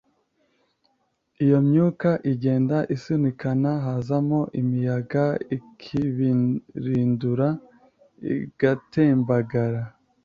iyo myuka igenda isunikana, hazamo imiyaga, ikibirindura, igatembera.